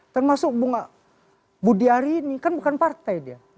termasuk budi ari ini kan bukan partai dia